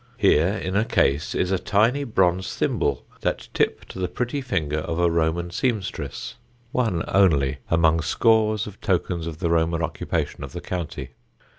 Here, in a case, is a tiny bronze thimble that tipped the pretty finger of a Roman seamstress one only among scores of tokens of the Roman occupation of the county.